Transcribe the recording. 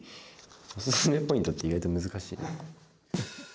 おすすめポイントって意外と難しいな。